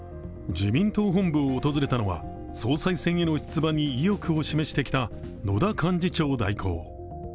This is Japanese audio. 自民党本部を訪れたのは、総裁選への出馬に意欲を示してきた野田幹事長代行。